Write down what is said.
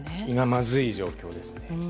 まずい状況ですね。